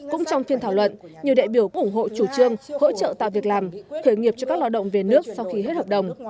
cũng trong phiên thảo luận nhiều đại biểu cũng ủng hộ chủ trương hỗ trợ tạo việc làm khởi nghiệp cho các lao động về nước sau khi hết hợp đồng